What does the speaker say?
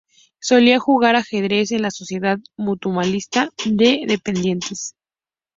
Solía jugar ajedrez en la Sociedad Mutualista de Dependientes.